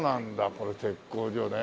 これ鉄工所ね。